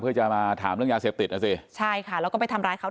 เพื่อจะมาถามเรื่องยาเสพติดนะสิใช่ค่ะแล้วก็ไปทำร้ายเขา